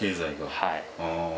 はい。